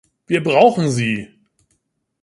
Wie brauchen Sie!